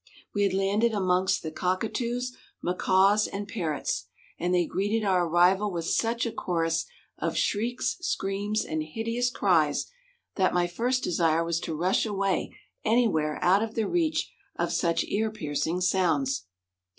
We had landed amongst the cockatoos, macaws, and parrots, and they greeted our arrival with such a chorus of shrieks, screams, and hideous cries that my first desire was to rush away anywhere out of the reach of such ear piercing sounds.